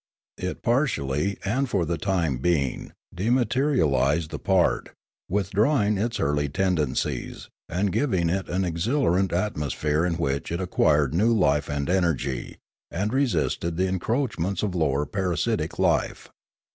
It partially and for the time being dematerialised the part, withdrawing its earthy tendencies, and giving it an exhilarant atmosphere in which it acquired new life and energy, and resisted the encroachments of lower parasitic life.